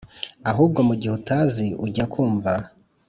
ahubwo mu gihe utazi ujya kumva